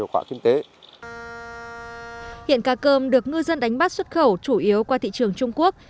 hiện cá cơm được ngư dân đánh bắt xuất khẩu chủ yếu qua thị trường trung quốc